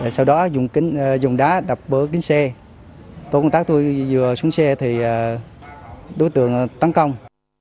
sau đó dùng đá đập vỡ kính xe tổ công tác tôi vừa xuống xe thì đối tượng tấn công